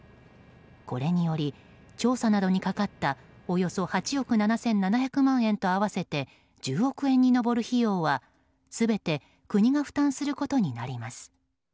これにより、調査などにかかったおよそ８億７７００万円と合わせて１０億円に及ぶ費用は全て国が負担することになります。